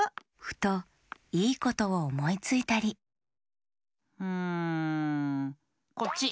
ふといいことをおもいついたりんこっち！